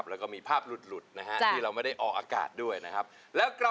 แล้วก็มีภาพหลุดนะฮะที่เราไม่ได้ออกอากาศด้วยนะครับ